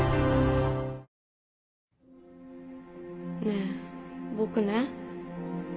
ねえ僕ね